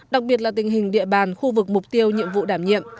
đặc biệt là tình hình địa bàn khu vực mục tiêu nhiệm vụ đảm nhiệm